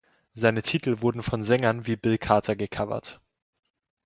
Seine Titel wurden von Sängern wie Bill Carter gecovert.